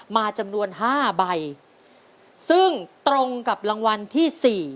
จำนวน๕ใบซึ่งตรงกับรางวัลที่สี่